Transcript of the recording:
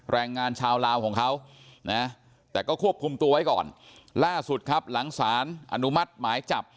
แรงงานชาวลาวของเขานะแต่ก็ควบคุมตัวไว้ก่อนล่าสุดครับหลังสารอนุมัติหมายจับ